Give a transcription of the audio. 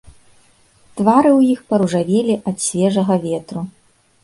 Твары ў іх паружавелі ад свежага ветру.